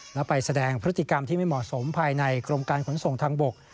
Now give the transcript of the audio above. แล้วไปแสดงพฤติกรรมที่ไม่เหมาะสมภายในกรมการขนส่งทางบก